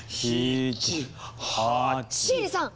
シエリさん！